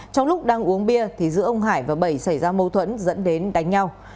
trong lúc đang uống bia giữa ông hải và bẩy xảy ra mâu thuẫn dẫn đến đánh nhau